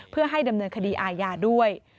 เพื่อให้ดำเนินคดีอาญาด้วย